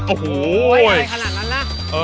โอ้โห